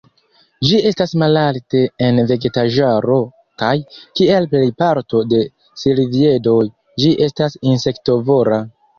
Ĝi estas malalte en vegetaĵaro, kaj, kiel plej parto de silviedoj, ĝi estas insektovora.